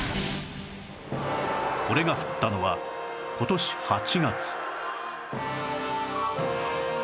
これが降ったのは今年８月